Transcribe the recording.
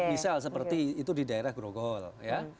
misal seperti itu di daerah grogol ya